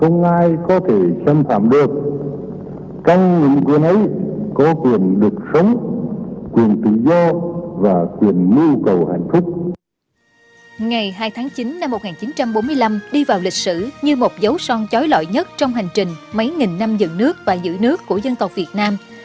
ngày hai tháng chín năm một nghìn chín trăm bốn mươi năm đi vào lịch sử như một dấu son trói lọi nhất trong hành trình mấy nghìn năm dựng nước và giữ nước của dân tộc việt nam